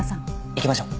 行きましょう。